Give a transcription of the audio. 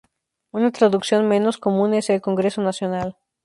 Una traducción menos común es "el Congreso Nacional".